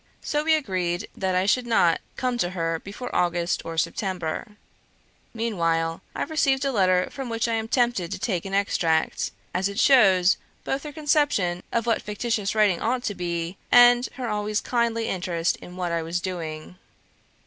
So we agreed that I should not come to her before August or September. Meanwhile, I received a letter from which I am tempted to take an extract, as it shows both her conception of what fictitious writing ought to be, and her always kindly interest in what I was doing.